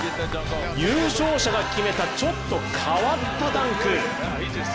優勝者が決めたちょっと変わったダンク。